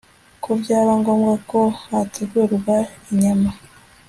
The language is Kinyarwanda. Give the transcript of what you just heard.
ko byaba ngombwa ko hategurwa inyama